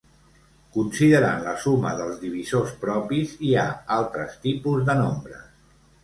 Considerant la suma dels divisors propis, hi ha altres tipus de nombres.